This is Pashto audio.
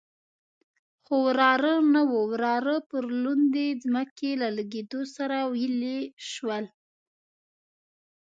خو واوره نه وه، واوره پر لوندې ځمکې له لګېدو سره ویلې شول.